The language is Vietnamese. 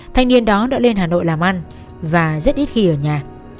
thanh niên đó đã lên hà nội làm ăn và rất ít khi ở nhà